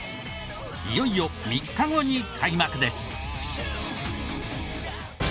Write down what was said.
いよいよ３日後に開幕です。